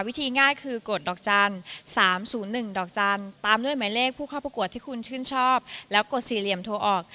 ง่ายคือกดดอกจันทร์๓๐๑ดอกจันทร์ตามด้วยหมายเลขผู้เข้าประกวดที่คุณชื่นชอบแล้วกดสี่เหลี่ยมโทรออก